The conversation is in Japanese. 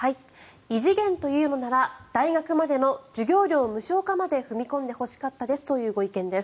異次元というのなら大学までの授業料無償化まで踏み込んでほしかったですというご意見です。